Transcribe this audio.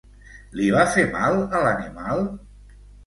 Li va fer mal a l'animal?